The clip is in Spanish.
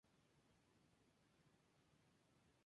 Y su hábitat natural es el heno y el compostaje.